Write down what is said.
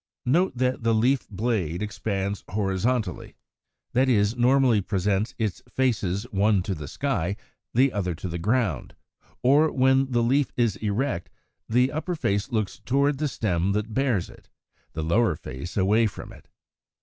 124. Note that the leaf blade expands horizontally, that is, normally presents its faces one to the sky, the other to the ground, or when the leaf is erect the upper face looks toward the stem that bears it, the lower face away from it.